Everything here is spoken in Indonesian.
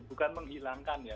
bukan menghilangkan ya